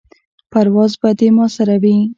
پرواز به دې ما سره وي.